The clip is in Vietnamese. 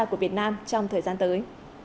của việt nam trong thời gian tới